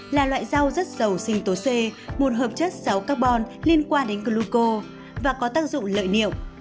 là loại rau rất giàu sinh tố c một hợp chất sáu carbon liên quan đến gluco và có tác dụng lợi niệm